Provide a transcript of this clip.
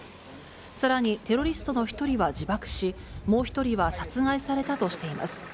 さらにテロリストの１人は自爆し、もう１人は殺害されたとしています。